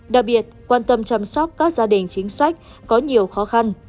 đặc biệt quan tâm chăm sóc các gia đình chính sách có nhiều khó khăn